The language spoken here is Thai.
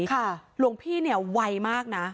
หลวงพี่ไวมากนะ